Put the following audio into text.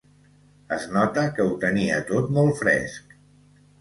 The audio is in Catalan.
Es nota que ho tenia tot molt fresc.